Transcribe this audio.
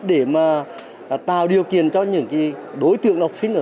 để mà tạo điều kiện cho những đối tượng học sinh